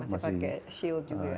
masih pakai shield juga